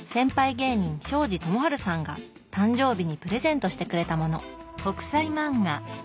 芸人庄司智春さんが誕生日にプレゼントしてくれたもの。